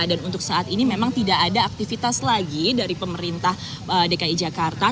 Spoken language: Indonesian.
dan untuk saat ini memang tidak ada aktivitas lagi dari pemerintah dki jakarta